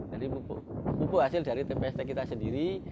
jadi pupuk hasil dari tpst kita sendiri